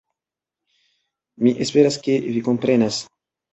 Mi esperas ke vi komprenas